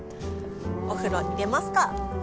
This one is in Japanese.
お風呂入れますか！